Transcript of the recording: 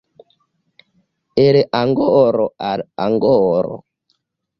El angoro al angoro.